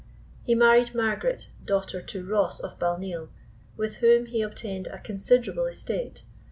He married Margaret, daughter to Ross of Balneel, with whom he obtained a considerable estate.